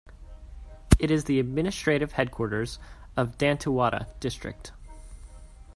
It is the administrative headquarters of Dantewada District.